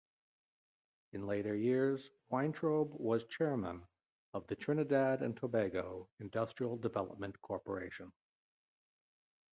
In later years Weintraub was Chairman of the Trinidad and Tobago Industrial Development Corporation.